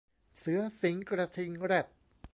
เสือสิงห์กระทิงแรด